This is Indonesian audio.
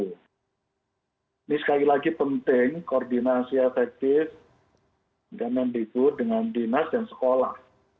ini sekali lagi penting koordinasi efektif kemendikbud dengan dinas dan sekolah